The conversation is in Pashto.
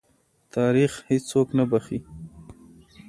تاریخ هېڅوک نه بخښي.